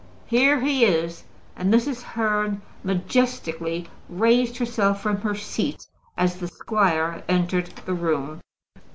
Here he is." And Mrs. Hearn majestically raised herself from her seat as the squire entered the room.